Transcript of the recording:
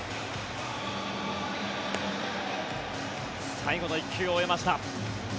最後の１球を終えました。